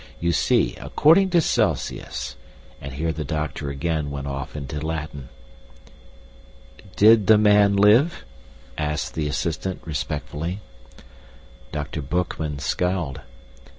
You see, according to Celsius " And here the doctor again went off into Latin. "Did the man live?" asked the assistant respectfully. Dr. Boekman scowled.